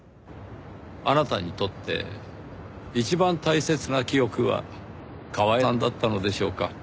あなたにとって一番大切な記憶はカワエさんだったのでしょうか？